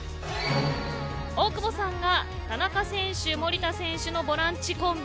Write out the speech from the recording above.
大久保さんが田中選手守田選手のボランチコンビ。